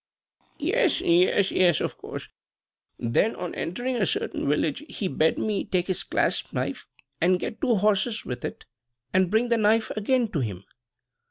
"Yes, yes, yes; of course! Then, on entering a certain village, he bade me take his clasp knife and get two horses with it, and bring back the knife again to him."